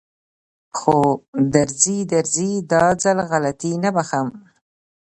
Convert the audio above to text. خو درځي درځي دا ځل غلطي نه بښم.